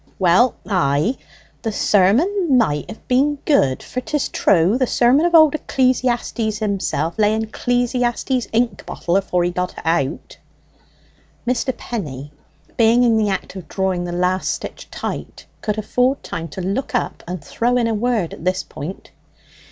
"Well ay, the sermon might have been good; for, 'tis true, the sermon of Old Eccl'iastes himself lay in Eccl'iastes's ink bottle afore he got it out." Mr. Penny, being in the act of drawing the last stitch tight, could afford time to look up and throw in a word at this point.